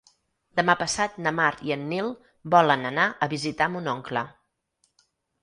Demà passat na Mar i en Nil volen anar a visitar mon oncle.